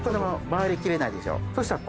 そしたら。